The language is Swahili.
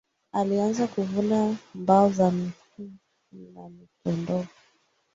Alianza kuvuna mbao za mifuu na mitondoo